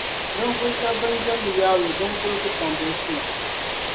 ninvuɣ’ shɛb’ bɛn jɛmdi Yawɛ bɛn’ kul ku kɔŋ binsuma.